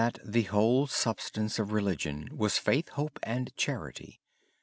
The whole substance of religion was faith, hope, and charity.